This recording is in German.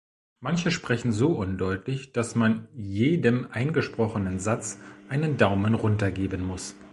Manche sprechen so undeutlich, dass man jedem eingesprochenen Satz einen Daumen runter geben muss.